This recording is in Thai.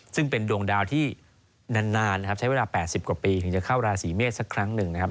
ซึ่งเป็นดวงดาวที่นานนะครับใช้เวลา๘๐กว่าปีถึงจะเข้าราศีเมษสักครั้งหนึ่งนะครับ